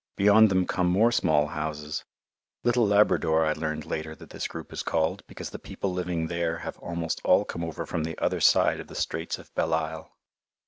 Beyond them come more small houses "Little Labrador" I learned later that this group is called, because the people living there have almost all come over from the other side of the Straits of Belle Isle.